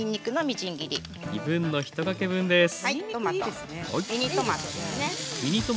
ミニトマトですね。